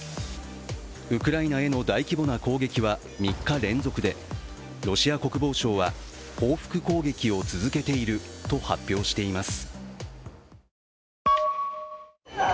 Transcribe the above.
ウクライナへの大規模な攻撃は３日連続でロシア国防省は、報復攻撃を続けていると発表しています。